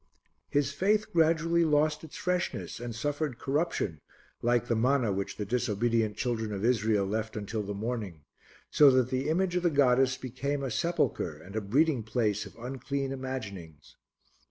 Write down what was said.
His faith gradually lost its freshness and suffered corruption like the manna which the disobedient children of Israel left until the morning, so that the image of the goddess became a sepulchre and a breeding place of unclean imaginings.